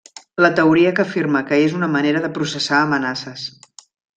La teoria que afirma que és una manera de processar amenaces.